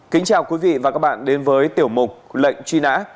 kính chào quý vị và các bạn đến với tiểu mục lệnh truy nã